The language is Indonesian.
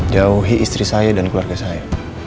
jauhi istri saya dan keluarga saya